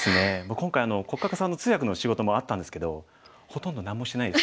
今回黒嘉嘉さんの通訳の仕事もあったんですけどほとんど何もしてないです。